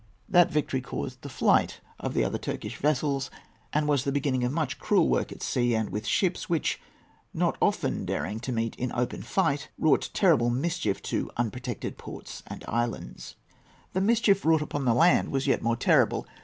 That victory caused the flight of the other Turkish vessels, and was the beginning of much cruel work at sea and with ships, which, not often daring to meet in open fight, wrought terrible mischief to unprotected ports and islands. The mischief wrought upon the land was yet more terrible.